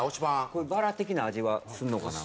これバラ的な味はするのかな？